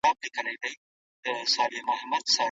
که خیرات وي نو بلا نه راځي.